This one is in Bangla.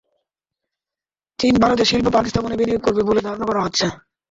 চীন ভারতে শিল্প পার্ক স্থাপনে বিনিয়োগ করবে বলে ধারণা করা হচ্ছে।